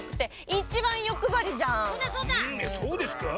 そうですか？